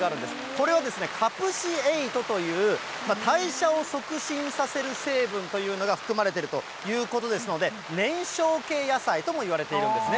これは、カプシエイトという代謝を促進させる成分というのが含まれてるということですので、燃焼系野菜ともいわれているんですね。